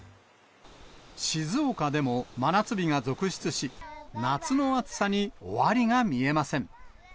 静岡でも、真夏日が続出し、夏の暑さに終わりが見えません。